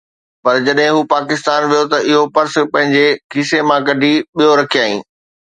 پر جڏهن هو پاڪستان ويو ته اهو پرس پنهنجي کيسي مان ڪڍي ٻيو رکيائين